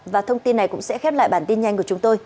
và thông tin này cũng sẽ khép lại bản tin nhanh của chúng tôi